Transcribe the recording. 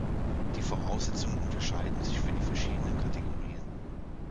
Die Voraussetzungen unterscheiden sich für die verschiedenen Kategorien.